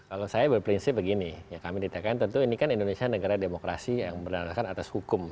kalau saya berprinsip begini ya kami di tkn tentu ini kan indonesia negara demokrasi yang berdasarkan atas hukum